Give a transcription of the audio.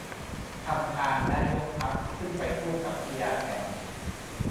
ทำทางและยกทัพขึ้นไปสู้กับพญาแถน